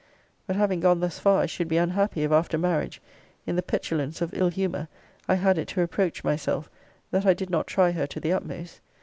But having gone thus far, I should be unhappy, if after marriage, in the petulance of ill humour, I had it to reproach myself, that I did not try her to the utmost.